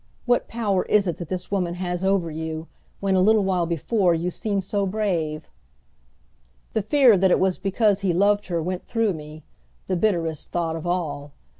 What power is it that this woman has over you, when a little while before you seemed so brave?" The fear that it was because he loved her went through me, the bitterest thought of all.